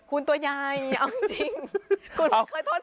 คุณตัวยายอย่าเอาจริง